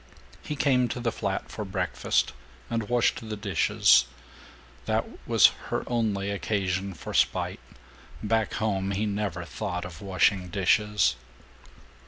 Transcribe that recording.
He came to the flat for breakfast, and washed the dishes. That was her only occasion for spite. Back home he never thought of washing dishes!